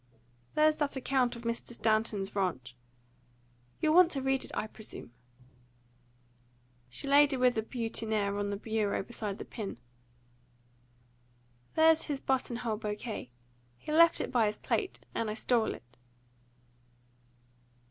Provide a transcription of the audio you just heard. "There's that account of Mr. Stanton's ranch. You'll want to read it, I presume." She laid a withered boutonniere on the bureau beside the pin. "There's his button hole bouquet. He left it by his plate, and I stole it."